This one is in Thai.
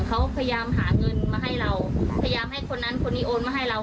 เขาพยายามหาเงินมาให้เราพยายามให้คนนั้นคนนี้โอนมาให้เรา